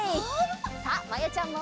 さあまやちゃんも。